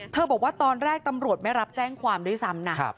บอกว่าตอนแรกตำรวจไม่รับแจ้งความด้วยซ้ำนะ